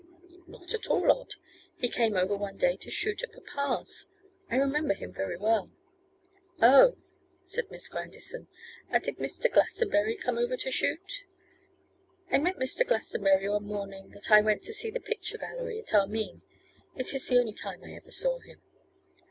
'Not at all odd. He came over one day to shoot at papa's. I remember him very well.' 'Oh,' said Miss Grandison. 'And did Mr. Glastonbury come over to shoot?' 'I met Mr. Glastonbury one morning that I went to see the picture gallery at Armine. It is the only time I ever saw him.